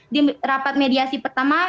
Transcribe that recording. di rapat mediasi pertama